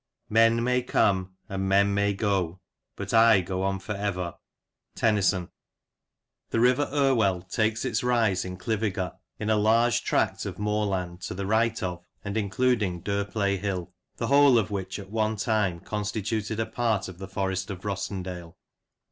" Men may come, and men may go. But I go on for ever." — Tennyson. THE River Irwell takes its rise in Cliviger, in a large tract of moorland, to the right of, and including Derplay Hill, the whole of which at one time constituted a part of the Forest of Rossendale.